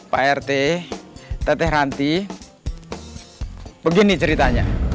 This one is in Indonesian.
pak rt teteh ranti begini ceritanya